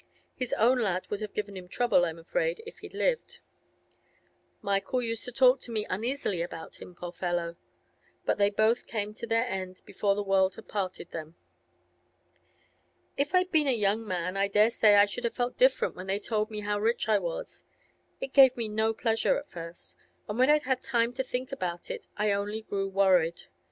His own lad would have given trouble, I'm afraid, if he'd lived; Michael used to talk to me uneasily about him, poor fellow! But they both came to their end before the world had parted them. 'If I'd been a young man, I dare say I should have felt different when they told me how rich I was; it gave me no pleasure at first, and when I'd had time to think about it I only grew worried.